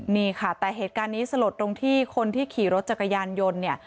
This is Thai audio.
นี่ค่ะแต่เหตุการณ์นี้สลดตรงที่คนที่ขี่รถจักรยานยนต์เนี่ย